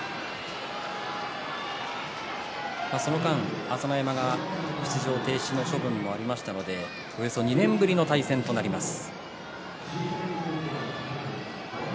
その間、朝乃山が出場停止の処分もありましたのでおよそ２年ぶりの対戦になります。